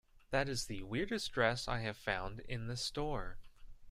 That is the weirdest dress I have found in this store.